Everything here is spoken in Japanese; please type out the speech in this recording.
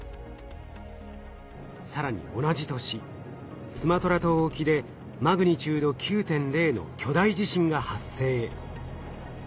更に同じ年スマトラ島沖でマグニチュード９．０の巨大地震が発生。